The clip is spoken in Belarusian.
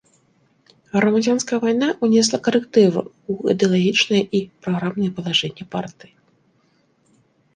Грамадзянская вайна ўнесла карэктывы ў ідэалагічныя і праграмныя палажэнні партыі.